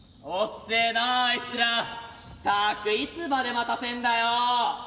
ったくいつまで待たせんだよ。